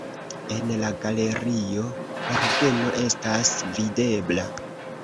En la galerio orgeno estas videbla.